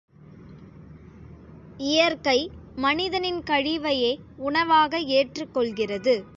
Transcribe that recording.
இயற்கை மனிதனின் கழிவையே உணவாக ஏற்றுக் கொள்கிறது.